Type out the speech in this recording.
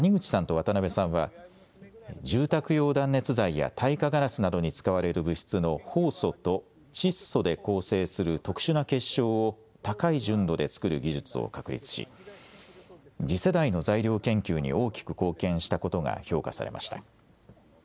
谷口さんと渡邊さんは、住宅用断熱材や耐火ガラスなどに使われる物質のホウ素と窒素で構成する特殊な結晶を高い純度で作る技術を確立し次世代の材料研究に大きく貢献したことが評価されました。